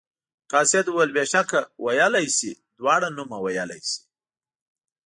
قاصد وویل بېشکه ویلی شي دواړه نومه ویلی شي.